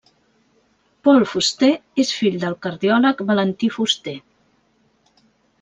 Paul Fuster és fill del cardiòleg Valentí Fuster.